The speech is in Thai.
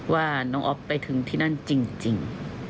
ว่าน้องอ๊อฟไปถึงที่นั่นจริง